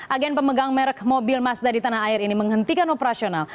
agen pemegang merek mobil mazda di tanah air ini menghentikan operasional